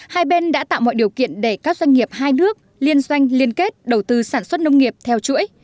hai bên đã tạo mọi điều kiện để các doanh nghiệp hai nước liên doanh liên kết đầu tư sản xuất nông nghiệp theo chuỗi